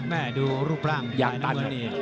แม่ดูรูปร่างอย่างตัน